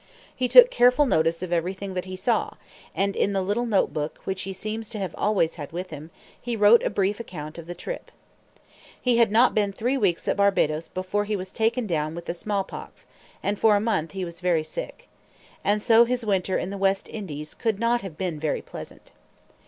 He took careful notice of everything that he saw; and, in the little note book which he seems to have always had with him, he wrote a brief account of the trip. He had not been three weeks at Barbadoes before he was taken down with the smallpox; and for a month he was very sick. And so his winter in the West Indies could not have been very pleasant.